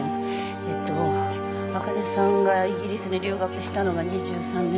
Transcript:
えっとあかねさんがイギリスに留学したのが２３年前だから。